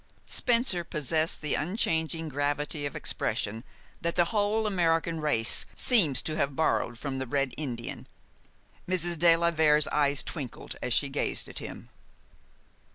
Spencer possessed the unchanging gravity of expression that the whole American race seems to have borrowed from the Red Indian. Mrs. de la Vere's eyes twinkled as she gazed at him.